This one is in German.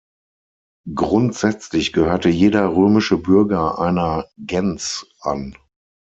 Grundsätzlich gehörte jeder römische Bürger einer "gens" an.